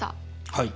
はい。